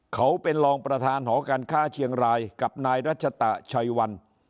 เขาเป็นรองประธานหอการค้าเชียงรายกับนายรัชตะชัยวัน